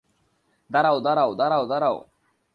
দাড়াও, দাড়াও, দাড়াও, দাড়াও।